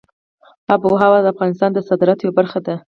آب وهوا د افغانستان د صادراتو یوه برخه ده.